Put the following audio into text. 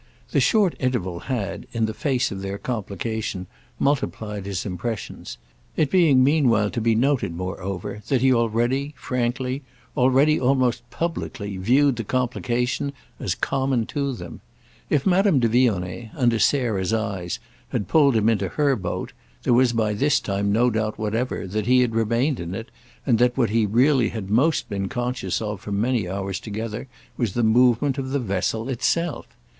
The short interval had, in the face of their complication, multiplied his impressions—it being meanwhile to be noted, moreover, that he already frankly, already almost publicly, viewed the complication as common to them. If Madame de Vionnet, under Sarah's eyes, had pulled him into her boat, there was by this time no doubt whatever that he had remained in it and that what he had really most been conscious of for many hours together was the movement of the vessel itself.